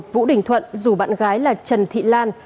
vũ đình thuận dù bạn gái là trần thị lan